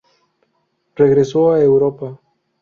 Regresó a Europa.